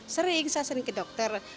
sering saya sering ke dokter